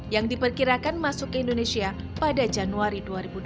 yang diperkirakan masuk ke indonesia pada januari dua ribu dua puluh